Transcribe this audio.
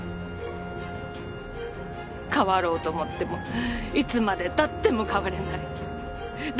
変わろうと思ってもいつまで経っても変われない駄目な女！